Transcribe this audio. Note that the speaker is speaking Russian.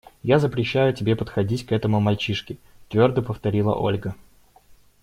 Я запрещаю тебе подходить к этому мальчишке, – твердо повторила Ольга.